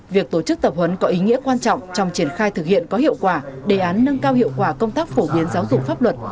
việc tổ chức tập huấn có ý nghĩa quan trọng trong triển khai thực hiện có hiệu quả đề án nâng cao hiệu quả công tác phổ biến giáo dục pháp luật